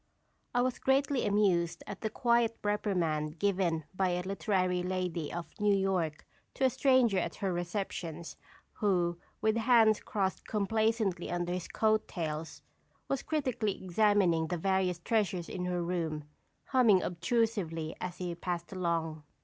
I was greatly amused at the quiet reprimand given by a literary lady of New York to a stranger at her receptions, who, with hands crossed complacently under his coat tails, was critically examining the various treasures in her room, humming obtrusively as he passed along.